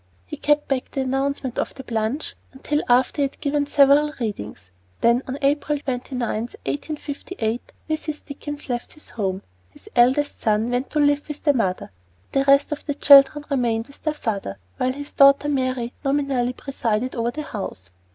He kept back the announcement of "the plunge" until after he had given several readings; then, on April 29, 1858, Mrs. Dickens left his home. His eldest son went to live with the mother, but the rest of the children remained with their father, while his daughter Mary nominally presided over the house.